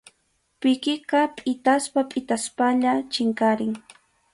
Pikiqa pʼitaspa pʼitaspalla chinkarin.